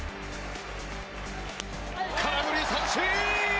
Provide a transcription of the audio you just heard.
空振り三振！